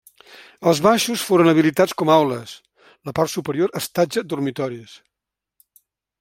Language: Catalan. Els baixos foren habilitats com aules, la part superior estatja dormitoris.